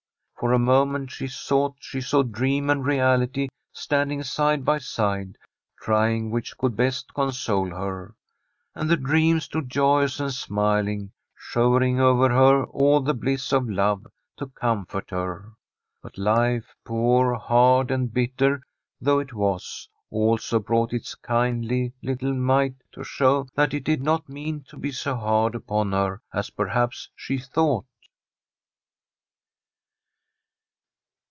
For a moment she thought she saw dream and reality standing side by side, try ing which could best console her. And the dream stood joyous and smiling, showering over her all the bliss of love to comfort her. But life, poor, hard, and bitter though it was, also brought its kindly little mite to show that it did not mean to be so hard upon her as perhaps she thought.